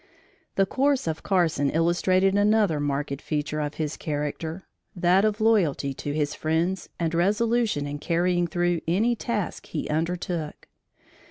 The course of Carson illustrated another marked feature of his character that of loyalty to his friends and resolution in carrying through any task he undertook.